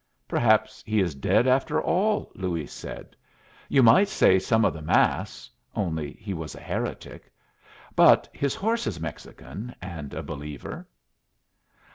"Perhaps he is dead, after all," Luis said. "You might say some of the Mass, only he was a heretic. But his horse is Mexican, and a believer."